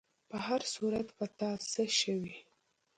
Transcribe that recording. په هر صورت، په تا څه شوي؟